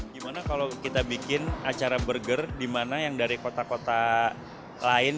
gimana kalau kita bikin acara burger dimana yang dari kota kota lain